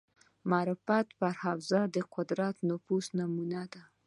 معرفت پر حوزې قدرت نفوذ نمونه ده